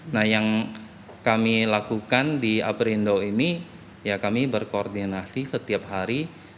nah yang kami lakukan di aprindo ini ya kami berkoordinasi setiap hari